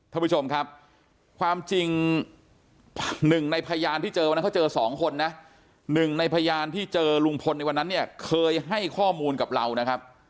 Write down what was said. ท่านผู้ชมครับความจริงหนึ่งในพยานที่เจอวันนั้นเขาเจอสองคนนะหนึ่งในพยานที่เจอลุงพลในวันนั้นเนี่ยเคยให้ข้อมูลกับเรานะครับ